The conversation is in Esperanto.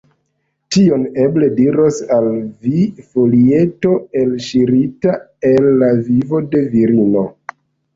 Tion eble diros al vi folieto, elŝirita el la vivo de virino.